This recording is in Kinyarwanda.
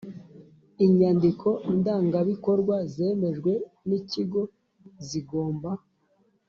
Inyandiko ndangabikorwa zemejwe n Ikigo zigomba